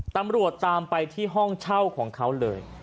ตามไปที่ห้องเช่าของเขาเลย